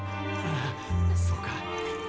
ああそうか。